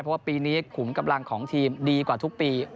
เพราะว่าปีนี้ขุมกำลังของทีมดีกว่าทุกปี